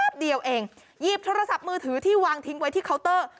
เดียวเองหยิบโทรศัพท์มือถือที่วางทิ้งไว้ที่เคาน์เตอร์